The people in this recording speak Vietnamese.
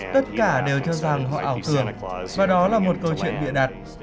tất cả đều cho rằng họ ảo tưởng và đó là một câu chuyện bịa đặt